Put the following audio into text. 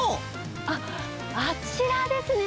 あっ、あちらですね。